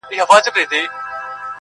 چي د ملا خبري پټي ساتي~